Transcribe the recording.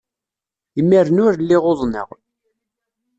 Imir-nni ur lliɣ uḍneɣ.